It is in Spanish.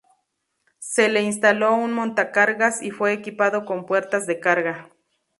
Se le instaló un montacargas y fue equipado con puertas de carga.